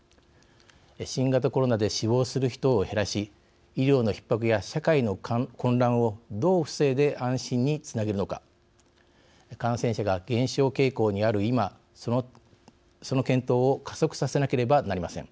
新型コロナで死亡する人を減らし医療のひっ迫や社会の混乱をどう防いで安心につなげるのか感染者が減少傾向にある、今その検討を加速させなければなりません。